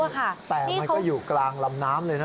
แต่มันก็อยู่กลางลำน้ำเลยนะ